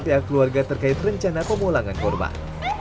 pihak keluarga terkait rencana pemulangan korban